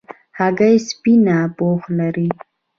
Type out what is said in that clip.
هګۍ سپینه پوښ لري.